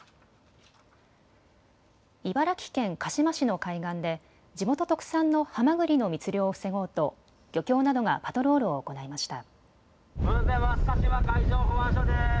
茨城県鹿嶋市の海岸で地元特産のハマグリの密漁を防ごうと漁協などがパトロールを行いました。